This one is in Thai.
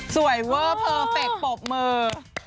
เวอร์เพอร์เฟคปรบมือ